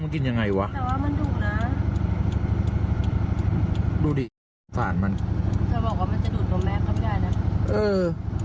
ดูนะดูดิฝ่านมันเธอบอกว่ามันจะดูดตัวแม็กซ์ก็ไม่ได้นะเออ